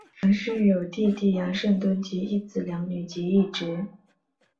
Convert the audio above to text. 杨氏有弟弟杨圣敦及一子两女及一侄。